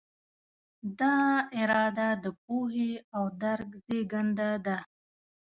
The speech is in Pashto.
دا اراده د پوهې او درک زېږنده ده.